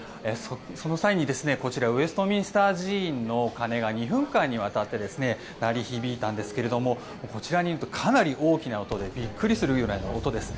その際に、こちらウェストミンスター寺院の鐘が２分間にわたって鳴り響いたんですけどもこちらにいるとかなり大きな音でビックリするくらいの音です。